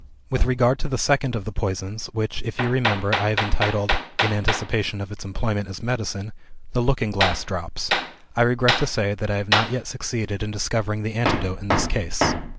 "With regard to the second of the poisons, which (if you remember) I have entitled in anticipation of its employment as medicine 'The Looking Glass Drops,' I regret to say that I have not yet succeeded in discovering the antidote in this case.